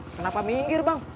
kenapa minggir bang